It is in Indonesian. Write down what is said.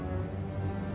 pergi ke sana